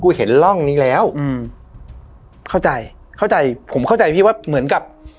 เห็นร่องนี้แล้วอืมเข้าใจเข้าใจผมเข้าใจพี่ว่าเหมือนกับ